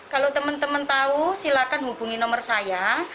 kalau teman teman tahu silahkan hubungi nomer saya